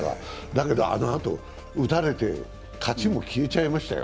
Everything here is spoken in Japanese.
だけどあのあと打たれて勝ちも消えちゃいましたよ。